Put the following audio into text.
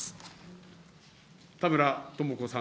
田村智子さん。